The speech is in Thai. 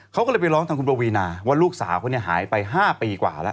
เขาก็เลยไปร้องทางคุณปวีนาว่าลูกสาวเขาหายไป๕ปีกว่าแล้ว